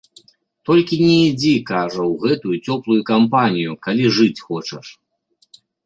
Толькі не ідзі, кажа, у гэтую цёплую кампанію, калі жыць хочаш.